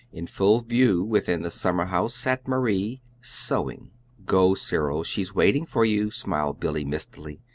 In full view within the summerhouse sat Marie sewing. "Go, Cyril; she's waiting for you," smiled Billy, mistily.